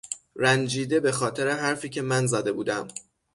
رنجیده به خاطر حرفی که من زده بودم